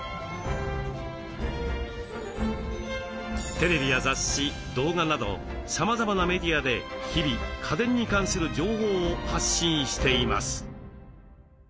テレビや雑誌動画などさまざまなメディアで日々家電に関する情報を発信しています。